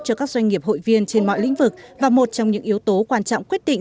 cho các doanh nghiệp hội viên trên mọi lĩnh vực và một trong những yếu tố quan trọng quyết định